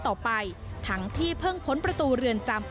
ต่อไปทั้งที่เพิ่งพ้นประตูเรือนจำ